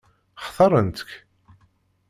Xtaṛent-k?